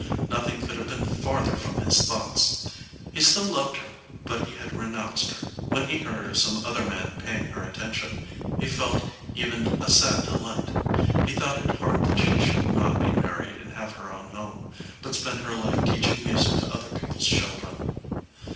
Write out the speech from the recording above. Nothing could have been farther from his thoughts. He still loved her, but he had re nounced her. When he heard of some other man paying her attention, he felt even a sad delight. He thought it hard that she should not be married and have her own home, but spend her life teaching music to other people s children.